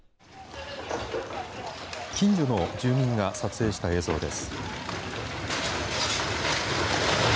近所の住民が撮影した映像です。